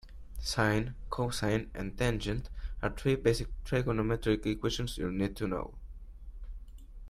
Sine, cosine and tangent are three basic trigonometric equations you'll need to know.